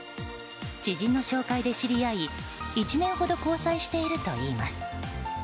知人の紹介で知り合い１年ほど交際しているといいます。